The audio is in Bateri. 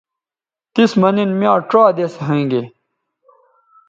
تس مہ نن میاں ڇا دس ھوینگے